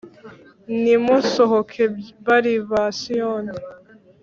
Nimusohoke, bari ba Siyoni,